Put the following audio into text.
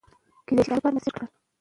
حق ویل تریخ دي.